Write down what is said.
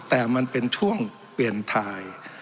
แต่มันเป็นช่วงเปลี่ยนถ่าย